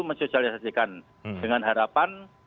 mensosialisasikan dengan harapan